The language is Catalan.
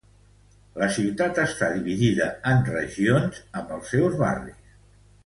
La ciutat està dividida en regions amb els seus barris.